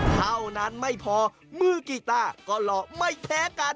เท่านั้นไม่พอมือกีต้าก็หล่อไม่แพ้กัน